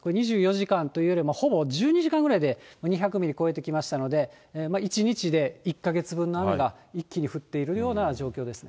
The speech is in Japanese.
２４時間というよりもほぼ１２時間ぐらいで２００ミリ超えてきましたので、１日で１か月分の雨が一気に降っているような状況です。